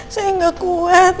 saya gak kuat